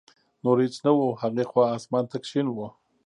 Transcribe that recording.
نور هېڅ نه و، هغې خوا اسمان تک شین و.